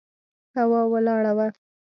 هوا ولاړه وه.